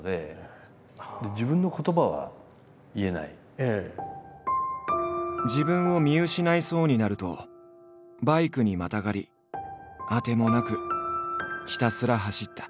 でやっぱり自分を見失いそうになるとバイクにまたがり当てもなくひたすら走った。